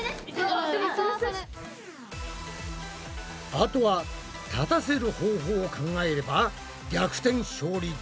あとは立たせる方法を考えれば逆転勝利できるんじゃない！？